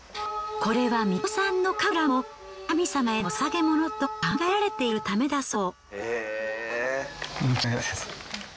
これは巫女さんの神楽も神様への捧げものと考えられているためだそう。